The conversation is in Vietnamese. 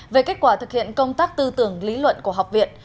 về kết quả thực hiện công tác tư tưởng lý luận của học viện